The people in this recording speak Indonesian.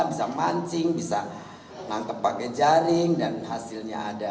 bisa mancing bisa nangkep pakai jaring dan hasilnya ada